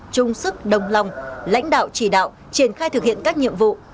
chung sức đồng lòng lãnh đạo chỉ đạo triển khai thực hiện các nhiệm vụ